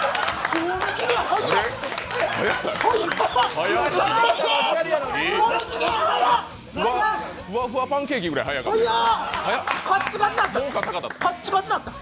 ふわふわパンケーキぐらい速かった。